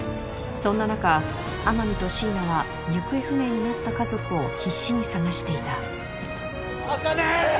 そんな中天海と椎名は行方不明になった家族を必死に捜していた茜！